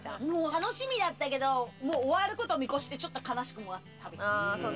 楽しみだったけど、終わることを見越して、ちょっと悲しくもある。